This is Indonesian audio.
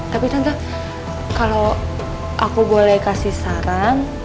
tapi tante kalau aku boleh kasih saran